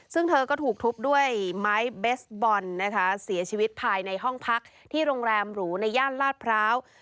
ซึ่งเธอก็ถูกทุบด้วยไม้เบสบอลนะคะเสียชีวิตภายในห้องพักที่โรงแรมหรูในย่านลาดพร้าว